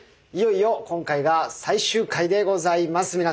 いよいよ今回が最終回でございます。